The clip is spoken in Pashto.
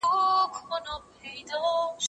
هغه څوک چي کالي وچوي منظم وي!